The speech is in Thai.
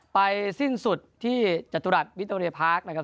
สิ้นสุดที่จตุรัสวิโตเรียพาร์คนะครับ